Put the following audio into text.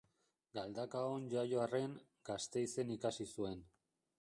Galdakaon jaio arren, Gasteizen ikasi zuen.